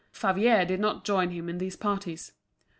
Favier did not join him in these parties.